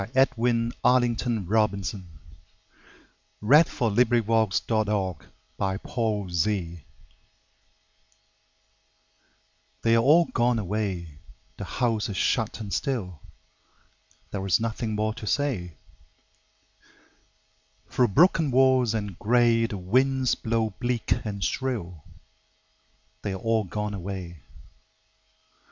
Edwin Arlington Robinson The House on the Hill THEY are all gone away, The house is shut and still, There is nothing more to say. Through broken walls and gray The winds blow bleak and shrill: They are all gone away.